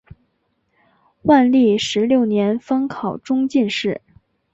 万历十六年方考中进士。